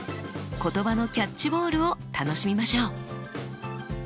言葉のキャッチボールを楽しみましょう。